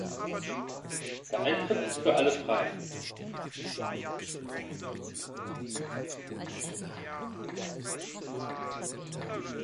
Der Eintritt ist für alle frei.